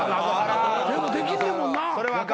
でもできんねんもんな。